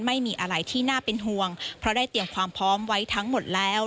ไม่มีอะไรที่น่าเป็นห่วงเพราะได้เตรียมความพร้อมไว้ทั้งหมดแล้ว